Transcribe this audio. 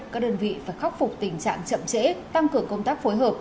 các đơn vị phải khắc phục tình trạng chậm trễ tăng cường công tác phối hợp